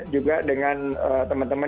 juga dengan teman teman